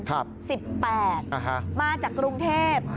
ครับฮะฮะสิบแปดมาจากกรุงเทพฯ